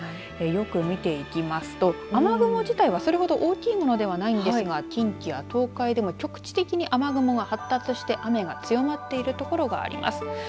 よく見ていきますと雨雲自体はそれほど大きいものではないんですが近畿や東海でも局地的に雨雲が発達して雨が強まっている所があります。